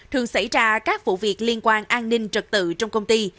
thường xảy ra các vụ việc liên quan an ninh trật tự trong công ty